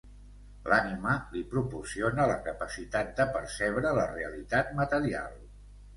L'ànima li proporciona la capacitat de percebre la realitat material.